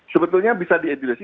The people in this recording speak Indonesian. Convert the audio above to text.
sebetulnya bisa diedilusi